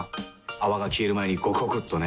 泡が消える前にゴクゴクっとね。